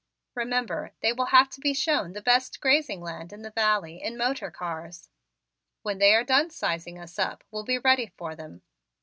Remember, they will have to be shown the best grazing land in the valley, in motor cars. When they are done sizing us up, we'll be ready for them.